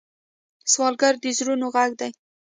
سوالګر د زړونو غږ دی